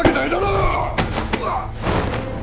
うわっ！